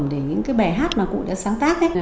để những bài hát mà cụ đã sáng tác